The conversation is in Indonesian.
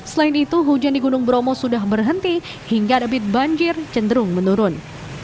selain itu hujan di gunung bromo sudah berhenti hingga debit banjir cenderung menurun